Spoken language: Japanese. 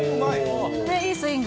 いいスイング。